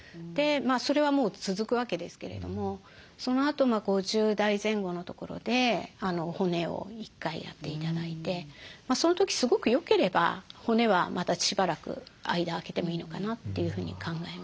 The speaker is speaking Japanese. それはもう続くわけですけれどもそのあと５０代前後のところで骨を１回やって頂いてその時すごくよければ骨はまたしばらく間空けてもいいのかなというふうに考えます。